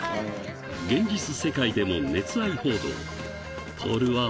現実世界でも熱愛報道。